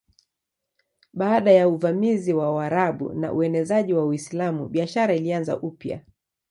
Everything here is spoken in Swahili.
Baada ya uvamizi wa Waarabu na uenezaji wa Uislamu biashara ilianza upya.